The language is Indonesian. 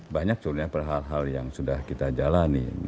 banyak sebenarnya hal hal yang sudah kita jalani